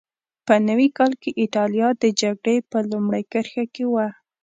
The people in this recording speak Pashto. په نوي کال کې اېټالیا د جګړې په لومړۍ کرښه کې وه.